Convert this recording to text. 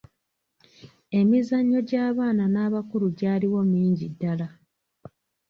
Emizanyo gy'abaana n'abakulu gyaliwo mingi ddala.